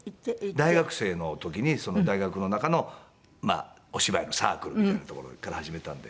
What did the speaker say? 大学生の時にその大学の中のお芝居のサークルみたいなところから始めたんで。